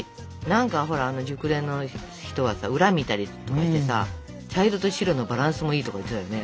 何かあの熟練の人はさ裏見たりとかしてさ茶色と白のバランスもいいとか言ってたよね？